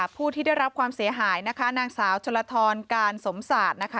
ผู้ที่ได้รับความเสียหายนะคะนางสาวชลทรการสมศาสตร์นะคะ